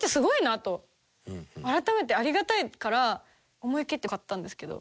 改めてありがたいから思い切って買ったんですけど。